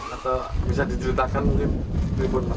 atau bisa diceritakan mungkin